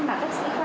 và các sự